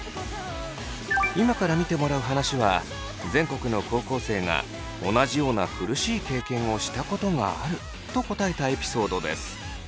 今から見てもらう話は全国の高校生が同じような苦しい経験をしたことがあると答えたエピソードです。